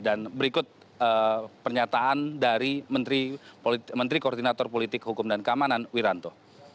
dan berikut pernyataan dari menteri koordinator politik hukum dan kamanan wiranto